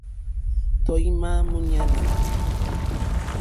Tɔ̀ímá mǃúɲánà.